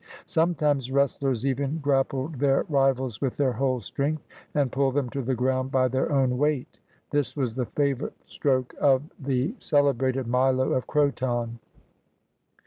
Sometimes wrestlers even grappled their rivals with their whole strength, and pulled them to the ground by their own weight, — this was the favorite stroke of the 1 Nearly fifty six miles. 6S GREECE celebrated Milo of Croton.